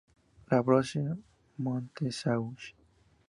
La Brosse-Montceaux